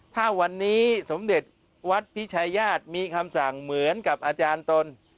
ถ้าวันนี้สมเด็จวัดพิชายาธิมีคำสั่งเหมือนกับอาจารย์ตน